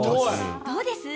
どうです？